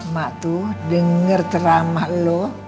mak tuh denger teramah lo